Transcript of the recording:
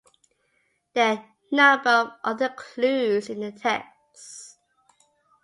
There are a number of other clues in the texts.